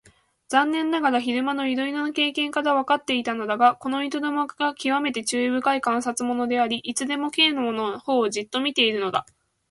残念ながら昼間のいろいろな経験からわかっていたのだが、この糸玉がきわめて注意深い観察者であり、いつでも Ｋ のほうをじっと見ているのだ。